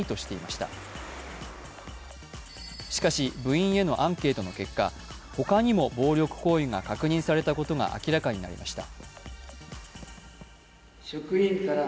しかし部員へのアンケートの結果、他にも暴力行為が確認されたことが明らかになりました。